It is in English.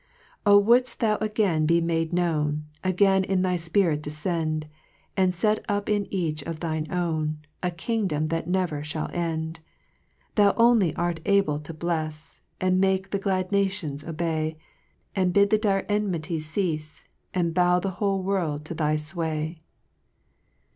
3 O would' ft thou again be made known, Again in thy Spirit defcend, And fet up in each of thine own, A kingdom that never fliall end ! Thou only art able to blefs, And make the glad nations obey, And bid the dire enmity ceafe, And bow the whole world to thy dray.